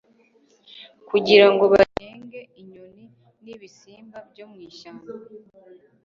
kugira ngo bagenge inyoni n'ibisimba byo mu ishyamba